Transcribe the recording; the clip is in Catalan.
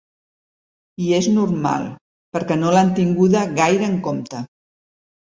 I és normal, perquè no l’han tinguda gaire en compte.